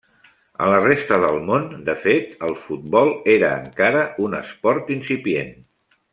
A la resta del món, de fet, el futbol era, encara, un esport incipient.